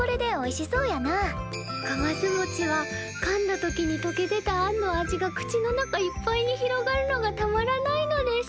かますもちはかんだ時にとけ出たあんの味が口の中いっぱいに広がるのがたまらないのです。